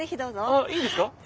あっいいんですか？